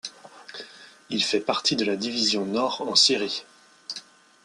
Il fait partie de la Division Nord en Syrie.